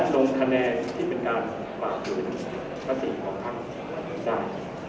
ลงแขนแหนที่เป็นการฝาคุณประธีของภัครคนอื่นได้